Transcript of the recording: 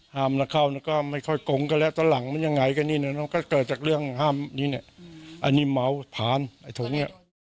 มาเข้าแล้วก็ไม่ค่อยกงกันแล้วตอนหลังมันยังไงกันนี่นะมันก็เกิดจากเรื่องห้ามนี้เนี่ยอันนี้เมาผ่านไอ้ถุงเนี่ย